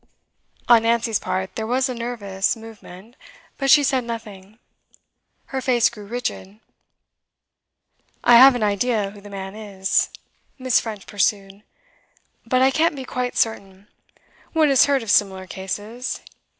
On Nancy's part there was a nervous movement, but she said nothing. Her face grew rigid. 'I have an idea who the man is,' Miss. French pursued; 'but I can't be quite certain. One has heard of similar cases.